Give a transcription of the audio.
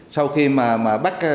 sau khi mà bắt